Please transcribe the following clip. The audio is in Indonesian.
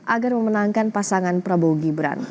agar memenangkan pasangan prabowo gibran